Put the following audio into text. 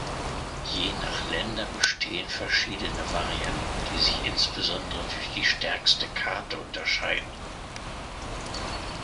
Je nach Länder bestehen verschiedene Varianten, die sich insbesondere durch die stärkste Karte unterscheiden.